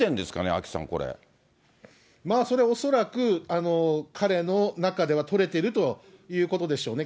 アキさん、それ、恐らく彼の中ではとれてるということでしょうね。